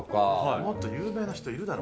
もっと有名な人いるだろ。